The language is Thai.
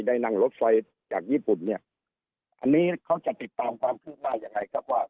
นั่งรถไฟจากญี่ปุ่นเนี่ยอันนี้เขาจะติดตามความคืบหน้ายังไงครับว่า